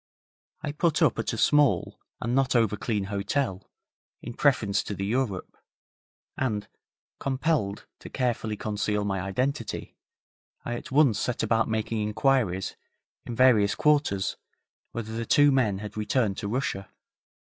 I put up at a small, and not overclean hotel, in preference to the Europe, and, compelled to carefully conceal my identity, I at once set about making inquiries in various quarters, whether the two men had returned to Russia.